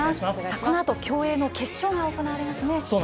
このあと、競泳の決勝が行われますね。